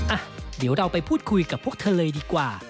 อ่ะเดี๋ยวเราไปพูดคุยกับพวกเธอเลยดีกว่า